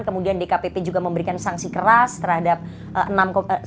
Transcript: kemudian dkpp juga memberikan sanksi pelanggaran etik kepada ketua mk anwar usman